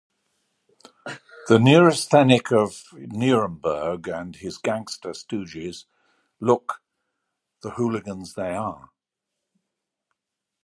The Neurasthenic of Nuremberg and his gangster stooges look - the hooligans they are.